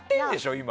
今。